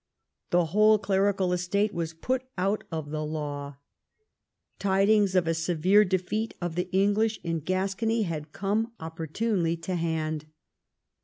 The whole clerical estate was put out of the law. Tidings of a severe defeat of the English in Gascony had come opportunely to hand.